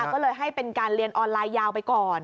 ก็เลยให้เป็นการเรียนออนไลน์ยาวไปก่อน